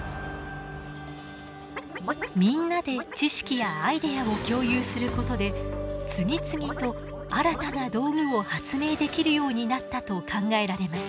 みんなで知識やアイデアを共有することで次々と新たな道具を発明できるようになったと考えられます。